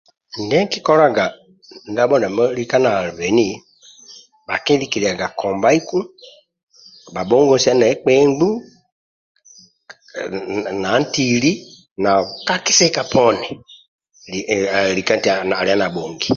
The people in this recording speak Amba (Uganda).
Ndie nkikolo ndabho ndiamo lika na beni bhakilikaga kombaiku bhabhongosia ne kpembu nantili na kakisika poni ehh lika eti alia nabhongi